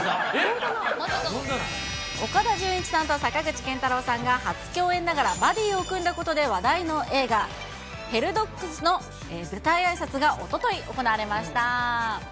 岡田准一さんと坂口健太郎さんが初共演ながらバディを組んだことで話題の映画、ヘルドッグスの舞台あいさつがおととい行われました。